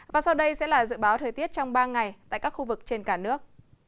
và sau đây sẽ là dự báo thời tiết trong ba ngày tại các khu vực trên cả nước